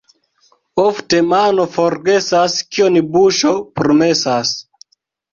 Ofte mano forgesas, kion buŝo promesas.